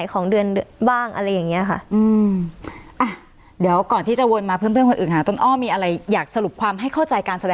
โอเคเดี๋ยวเราจะ